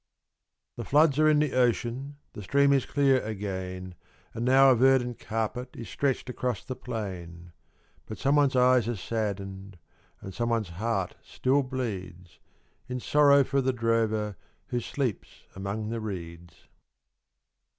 The floods are in the ocean, The stream is clear again, And now a verdant carpet Is stretched across the plain. But someone's eyes are saddened, And someone's heart still bleeds, In sorrow for the drover Who sleeps among the reeds.